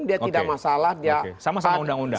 dia tidak masalah dia sama undang undang